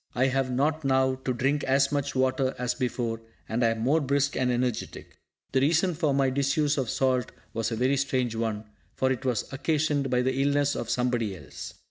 I have not now to drink as much water as before, and am more brisk and energetic. The reason for my disuse of salt was a very strange one: for it was occasioned by the illness of somebody else!